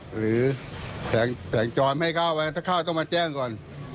หรือแสงจรไม่ให้เข้าไปถ้าเข้าต้องมาแจ้งก่อน